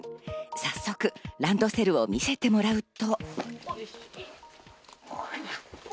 早速ランドセルを見せてもらうと。